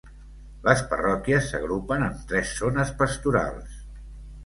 Les parròquies s'agrupen en tres zones pastorals: